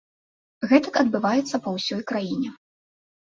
Гэтак адбываецца па ўсёй краіне.